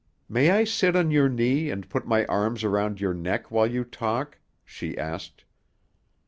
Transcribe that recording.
"May I sit on your knee, and put my arms around your neck while you talk?" she asked.